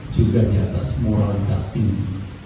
juga di atas moralitas tinggi